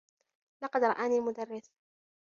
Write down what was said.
لقد رآني المدرّس.